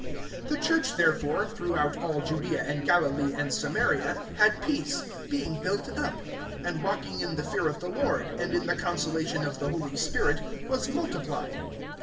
(31)The church therefore, throughout all Judaea and Galilee and Samaria, had peace, being built up, and walking in the fear of the Lord, and in the consolation of the Holy Spirit, was multiplied.